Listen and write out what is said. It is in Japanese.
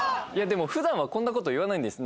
でも普段はこんな事言わないんです。